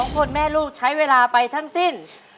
๒คนแม่ลูกใช้เวลาไปทั้งสิ้น